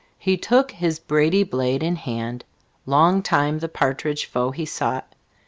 He took his brady blade in hand; Long time the partridge foe he sought.